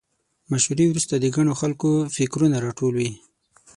مشورې وروسته د ګڼو خلکو فکرونه راټول وي.